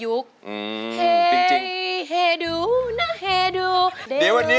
รูมีปาน